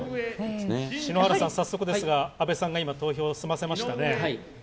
篠原さん、早速ですが安倍さんが今、投票を済ませましたね。